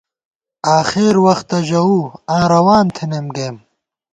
آخېر وختہ ژَوُو ، آں رَوان تھنَئیم گَئیم